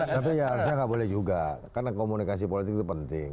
tapi ya harusnya nggak boleh juga karena komunikasi politik itu penting